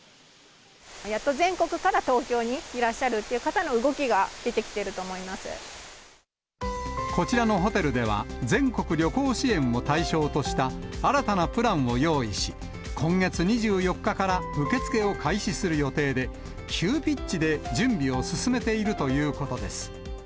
やっと全国から東京にいらっしゃるっていう方の動きが出てきこちらのホテルでは、全国旅行支援を対象とした新たなプランを用意し、今月２４日から受け付けを開始する予定で、急ピッチで準備を進めているということです。